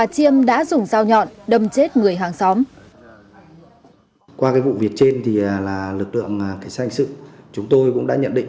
thành sao nhọn đâm chết người hàng xóm